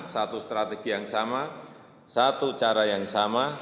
satu strategi yang sama satu cara yang sama